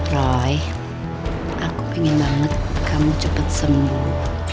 roy aku pengen banget kamu cepet sembuh